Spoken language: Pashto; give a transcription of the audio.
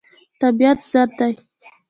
طبیعت زر دی.